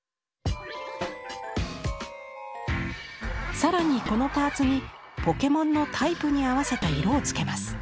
更にこのパーツにポケモンのタイプに合わせた色をつけます。